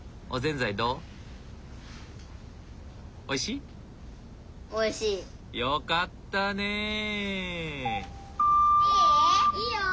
おいしい？